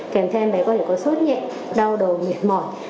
kèm theo em bé có thể có sốt nhẹ đau đầu miệt mỏi